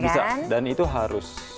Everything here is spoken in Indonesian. bisa dan itu harus